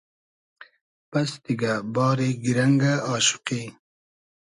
بئس دیگۂ ، باری گیرئنگۂ آشوقی